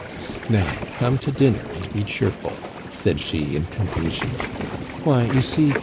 "Now, come to dinner and be cheerful," said she in conclusion. "Why, you see!